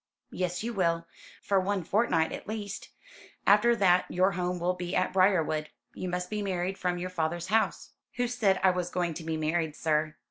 "Yes, you will for one fortnight at least. After that your home will be at Briarwood. You must be married from your father's house." "Who said I was going to be married, sir?"